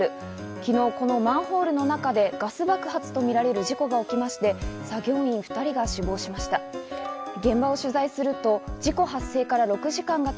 昨日、このマンホールの中でガス爆発とみられる事故が起きまして、作業員２人が死亡しました。